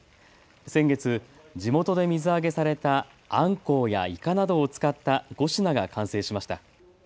先月、地元で水揚げされたあんこうやイカなどを使った５品が完成しました。